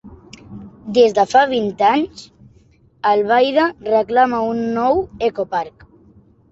Des de fa vint anys, Albaida reclama un nou ecoparc.